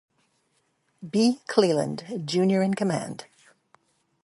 B. Cleland, Junior in command.